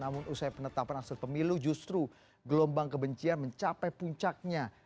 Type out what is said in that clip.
namun usai penetapan hasil pemilu justru gelombang kebencian mencapai puncaknya